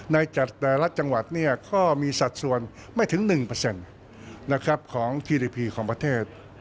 ในแต่ละจังหวัดเนี่ยก็มีสัดส่วนไม่ถึง๑ของพีริพีของประเทศ